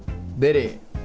ベリー。